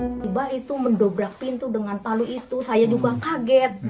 tiba tiba itu mendobrak pintu dengan palu itu saya juga kaget